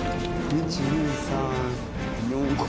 １・２・３・４・５？